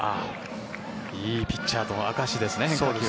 いいピッチャーの証しですね。